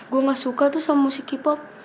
gue gak suka tuh sama musik k pop